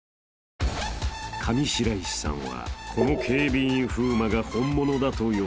［上白石さんはこの警備員風磨が本物だと予想］